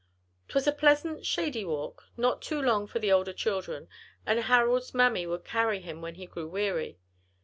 'Twas a pleasant, shady walk, not too long for the older children, and Harold's mammy would carry him when he grew weary.